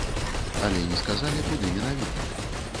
Але не сказалі, куды менавіта.